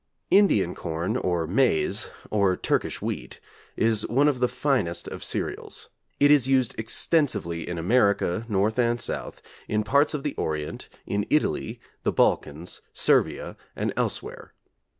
Indian corn, or maize, or Turkish wheat, is one of the finest of cereals. It is used extensively in America, North and South, in parts of the Orient, in Italy, the Balkans, Servia, and elsewhere.